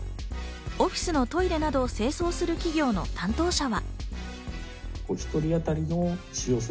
オフィスのトイレなどを清掃する企業の担当者は。